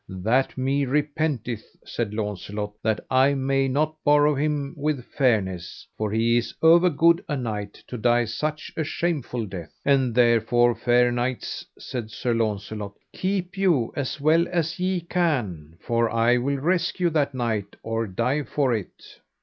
That me repenteth, said Launcelot, that I may not borrow him with fairness, for he is over good a knight to die such a shameful death. And therefore, fair knights, said Sir Launcelot, keep you as well as ye can, for I will rescue that knight or die for it.